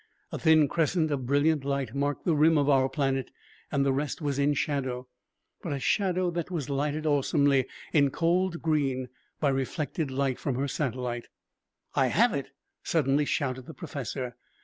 A thin crescent of brilliant light marked the rim of our planet and the rest was in shadow, but a shadow that was lighted awesomely in cold green by reflected light from her satellite. "I have it!" suddenly shouted the professor.